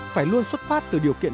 phải luôn xuất phát từ điều kiện